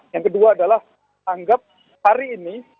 yang kedua adalah anggap hari ini